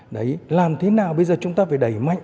đấy làm thế nào bây giờ chúng ta phải đẩy mạnh